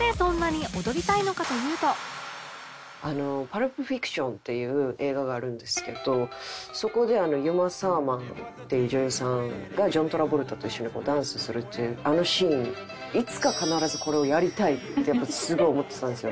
『パルプ・フィクション』っていう映画があるんですけどそこでユマ・サーマンっていう女優さんがジョン・トラボルタと一緒にダンスするというあのシーンいつか必ずこれをやりたいってすごい思ってたんですよ。